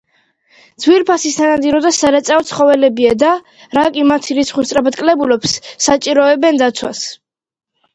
ძვირფასი სანადირო და სარეწაო ცხოველებია და, რაკი მათი რიცხვი სწრაფად კლებულობს, საჭიროებენ დაცვას.